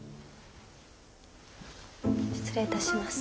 失礼いたします。